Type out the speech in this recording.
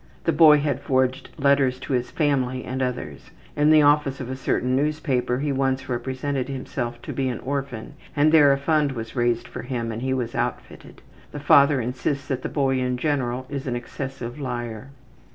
The boy had forged letters to his family and others. In the office of a certain newspaper he once represented himself to be an orphan, and there a fund was raised for him and he was outfitted. The father insists that the boy, in general, is an excessive liar.